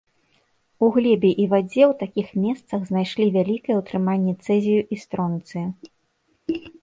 У глебе і вадзе ў такіх месцах знайшлі вялікае ўтрыманне цэзію і стронцыю.